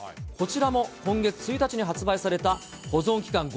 こちらも今月１日に発売された保存期間